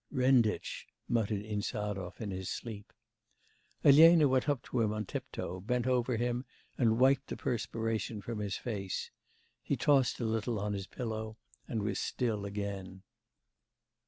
'Renditch!' muttered Insarov in his sleep. Elena went up to him on tiptoe, bent over him, and wiped the perspiration from his face. He tossed a little on his pillow, and was still again.